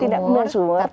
tidak menghasilkan umur